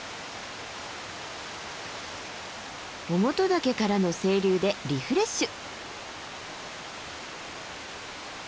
於茂登岳からの清流でリフレッシュ。